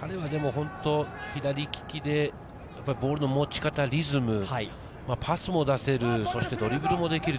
彼は左利きでボールの持ち方、リズム、パスも出せるドリブルもできる。